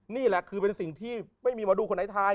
นี่แหละคือเป็นสิ่งที่ไม่มีหมอดูคนไหนทาย